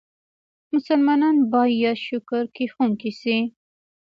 مسلمانان بايد شکرکښونکي سي.